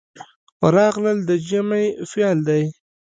راغلل د جمع فعل دی.